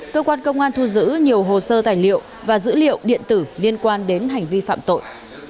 cơ quan công an thu giữ nhiều hồ sơ tài liệu và dữ liệu điện tử liên quan đến hành vi phạm tội